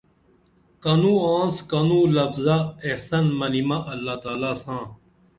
کنوں آنس کنوں لفظہ احسان منِمہ اللہ تعالی ساں